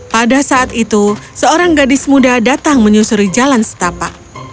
pada saat itu seorang gadis muda datang menyusuri jalan setapak